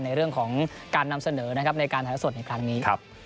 ในเรื่องของการนำเสนอนะครับในการถ่ายละสดในครั้งนี้